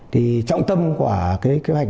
trọng tâm của kế hoạch này là tính dụng đen